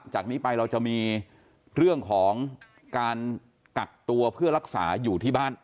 จากนี้ไปเราจะมีเรื่องของการกักตัวเพื่อรักษาอยู่ที่บ้าน